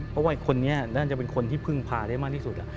เพราะว่าคนนี้น่าจะเป็นคนที่พึ่งพาได้มากที่สุด